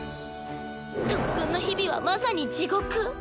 特訓の日々はまさに地獄。